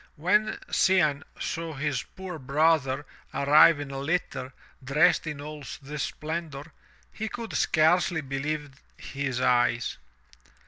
When Cianne saw his poor brother arrive in a litter, dressed in all this splendor, he could scarcely believe his eyes.